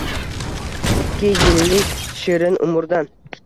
Ikki yillik shirin umrdan —